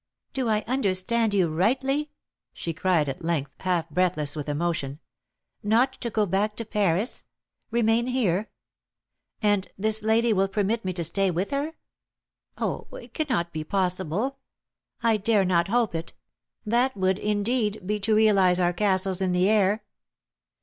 "Do I understand you rightly?" she cried at length, half breathless with emotion. "Not go back to Paris? Remain here? And this lady will permit me to stay with her? Oh, it cannot be possible; I dare not hope it; that would, indeed, be to realise our 'castles in the air.'"